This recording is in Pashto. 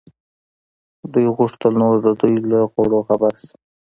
دوی غوښتل نور د دوی له خوړو خبر شي.